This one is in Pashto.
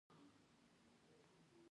سره له دې چې کله کله ډډه کوي.